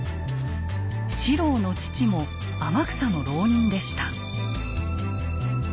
四郎の父も天草の牢人でした。